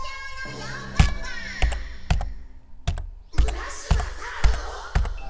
浦島太郎？